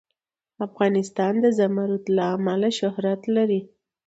افغانستان د زمرد له امله شهرت لري.